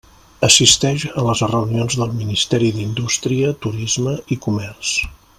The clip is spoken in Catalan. Assisteix a les reunions del Ministeri d'Indústria, Turisme i Comerç.